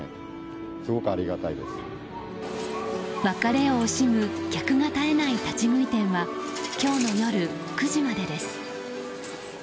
別れを惜しむ客が絶えない立ち食い店は今日の夜９時までです。